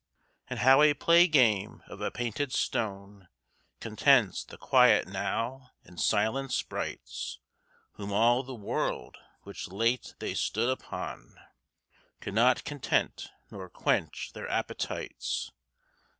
And how a play game of a painted stone Contents the quiet now and silent sprites, Whome all the world which late they stood upon Could not content nor quench their appetites.